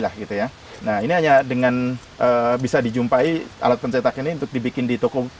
nah ini hanya dengan bisa dijumpai alat pencetak ini untuk dibikin di toko